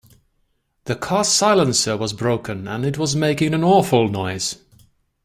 The car’s silencer was broken, and it was making an awful noise